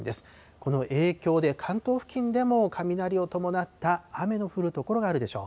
この影響で、関東付近でも雷を伴った雨の降る所があるでしょう。